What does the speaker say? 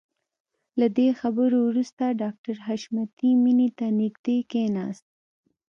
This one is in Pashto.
له دې خبرو وروسته ډاکټر حشمتي مينې ته نږدې کښېناست.